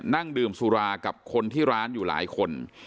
นั่งดื่มสุรากับคนที่ร้านอยู่หลายคน